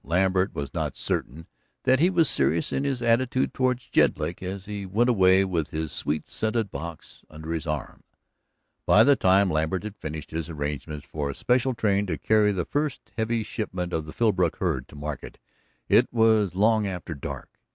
Lambert was not certain that he was serious in his attitude toward Jedlick as he went away with his sweet scented box under his arm. By the time Lambert had finished his arrangements for a special train to carry the first heavy shipment of the Philbrook herd to market it was long after dark.